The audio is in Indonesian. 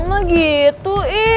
ya kamu mah gitu